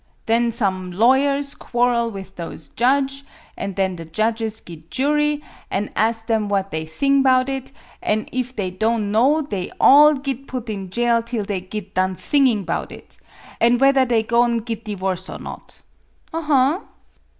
Then some lawyers quarrel with those judge ; an' then the judges git jury, an' as' 'em what they thing 'bout it; an' if they don' know they all git put in jail till they git done thinging 'bout it, an' whether they go'n' git divorce or not. Aha!